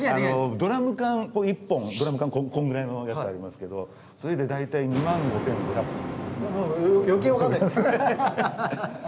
ドラム缶を１本ドラム缶こんぐらいのやつありますけどそれで大体余計分かんないです。